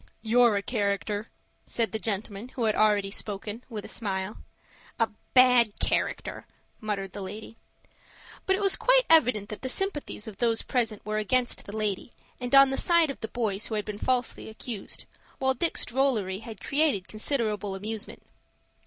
"You're a character," said the gentleman who had already spoken, with a smile. "A bad character!" muttered the lady. But it was quite evident that the sympathies of those present were against the lady, and on the side of the boys who had been falsely accused, while Dick's drollery had created considerable amusement.